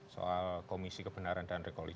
soal komisi kebenaran dan